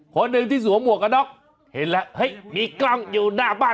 คนหนึ่งที่สวมหมวกกันน็อกเห็นแล้วเฮ้ยมีกล้องอยู่หน้าบ้าน